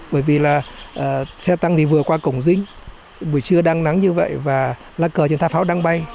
bởi vì là xe tăng thì vừa qua cổng dinh buổi trưa đang nắng như vậy và lá cờ trên tháp hóa đang bay